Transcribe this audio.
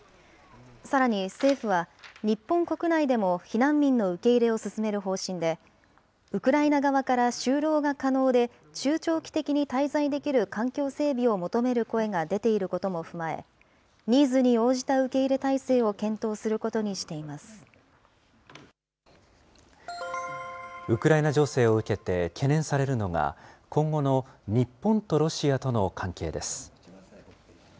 さらに政府は、日本国内でも避難民の受け入れを進める方針で、ウクライナ側から就労が可能で中長期的に滞在できる環境整備を求める声が出ていることも踏まえ、ニーズに応じた受け入れ体制を検ウクライナ情勢を受けて、懸念されるのが、今後の日本とロシアとの関係です。